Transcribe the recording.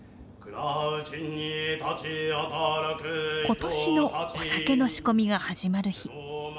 今年のお酒の仕込みが始まる日。